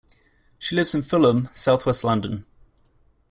She lives in Fulham, South West London.